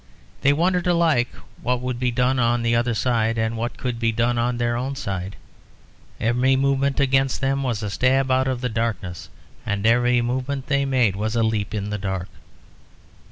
They wondered alike what would be done on the other side and what could be done on their own side; every movement against them was a stab out of the darkness and every movement they made was a leap in the dark.